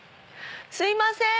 すいません！